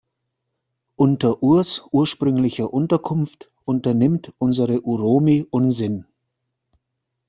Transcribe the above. Unter Urs ursprünglicher Unterkunft unternimmt unsere Uromi Unsinn.